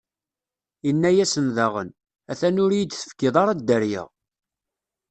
Inna-as daɣen: A-t-an ur yi-d-tefkiḍ ara dderya.